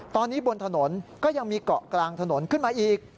ตอนนี้บนถนนก็ยังมีเกาะกลางถนนขึ้นมาอีก